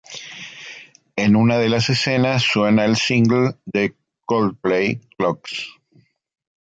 En una de las escenas suena el single de Coldplay: "Clocks".